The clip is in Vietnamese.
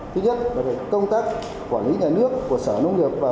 thứ nhất là công tác quản lý nhà nước của sở nông nghiệp và phát triển